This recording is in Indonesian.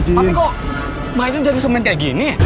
tapi kok mainnya jadi semen kayak gini